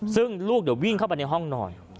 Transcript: ซึ่งลูกเดี๋ยววิ่งเข้าไปในห้องนอน